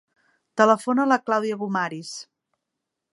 Telefona a la Clàudia Gomariz.